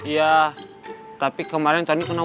iya tapi kemarin tony kena musibah